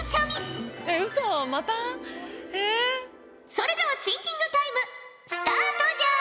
それではシンキングタイムスタートじゃ！